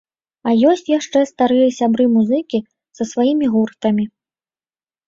А ёсць яшчэ старыя сябры-музыкі са сваімі гуртамі.